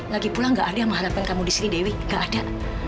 lagipula gak ada yang mengharapkan kamu di sini dewi gak ada